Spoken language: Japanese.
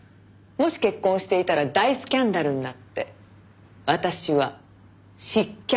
もし結婚をしていたら大スキャンダルになって私は失脚していました。